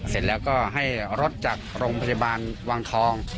เสร็จแล้วก็ให้รถจากโรงพยาบาลวังทอง